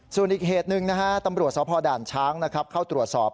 ส่วนอีกเหตุหนึ่งนะฮะตำรวจสพด่านช้างนะครับเข้าตรวจสอบ